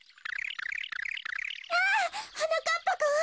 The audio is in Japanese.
きゃはなかっぱくん？